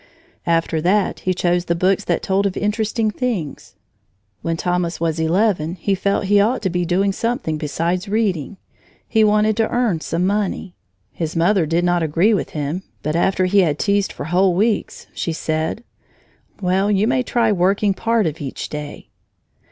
After that he chose the books that told of interesting things. When Thomas was eleven, he felt he ought to be doing something besides reading. He wanted to earn some money. His mother did not agree with him, but after he had teased for whole weeks, she said: "Well, you may try working part of each day."